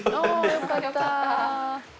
よかった。